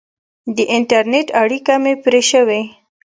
د انټرنېټ اړیکه مې پرې شوې.